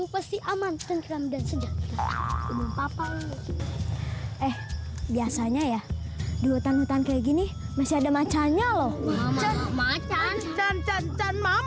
paling kamu yang nyembah nyembah